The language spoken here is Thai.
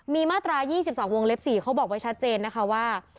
มีมาตรา๒๒วงเล็บ๔เขาบอกไว้ชัดเจนนะคะว่า